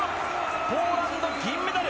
ポーランド、銀メダル。